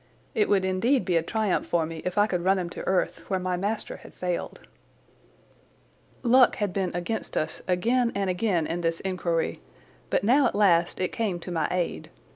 It would indeed be a triumph for me if I could run him to earth where my master had failed. Luck had been against us again and again in this inquiry, but now at last it came to my aid.